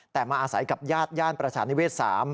แต่มาอาศัยกับญาติย่านประชานิเวศ๓